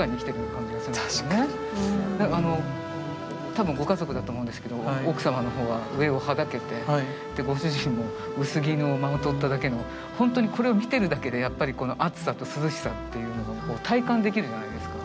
多分ご家族だと思うんですけど奥様の方は上をはだけてご主人も薄着をまとっただけのほんとにこれを見てるだけでやっぱりこの暑さと涼しさっていうのを体感できるじゃないですか。